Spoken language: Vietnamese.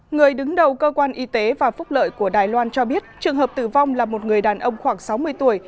người đứng đầu cơ quan y tế và phúc lợi của đài loan cho biết trường hợp tử vong là một người đàn ông khoảng sáu mươi tuổi